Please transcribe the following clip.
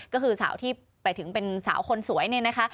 ก็คือสาวที่ไปถึงเป็นสาวคนสวยเนี่ยนะคะ